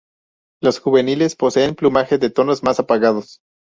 Los juveniles poseen plumaje de tonos más apagados.